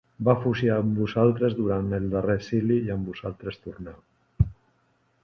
Va fugir amb vosaltres durant el darrer exili i amb vosaltres tornà.